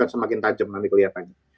semakin tajam nanti kelihatannya